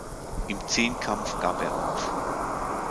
Im Zehnkampf gab er auf.